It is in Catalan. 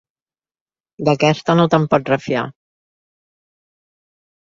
D'aquesta no te'n pots refiar.